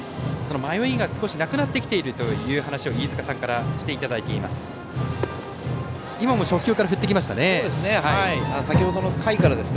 迷いが少しなくなってきているという話を飯塚さんからしていただいています。